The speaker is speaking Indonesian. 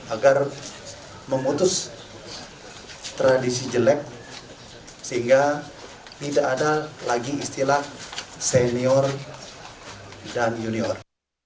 agar memutus tradisi jelek sehingga tidak ada lagi istilah senior dan junior